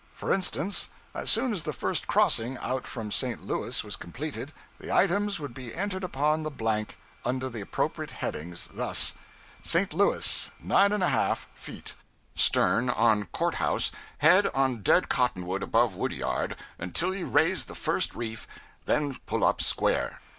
For instance, as soon as the first crossing, out from St. Louis, was completed, the items would be entered upon the blank, under the appropriate headings, thus 'St. Louis. Nine and a half (feet). Stern on court house, head on dead cottonwood above wood yard, until you raise the first reef, then pull up square.'